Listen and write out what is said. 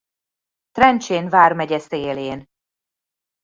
Trencsén vmegye szélén.